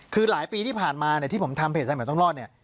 คือหลายปีที่ผ่านมาเนี่ยที่ผมทำเพจสายใหม่ต้องรอดเนี่ย